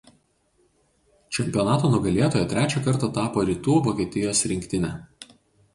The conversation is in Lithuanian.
Čempionato nugalėtoja trečią kartą tapo Rytų Vokietijos rinktinė.